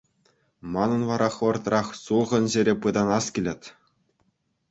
Манӑн вара хӑвӑртрах сулхӑн ҫӗре пытанас килет.